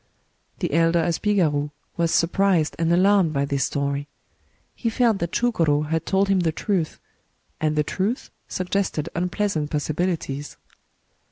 The elder asbigaru was surprised and alarmed by this story. He felt that ChugoyS had told him the truth; and the truth suggested unpleas ant possibilities.